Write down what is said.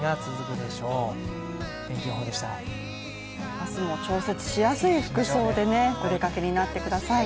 明日も調節しやすい服装でお出かけになってください。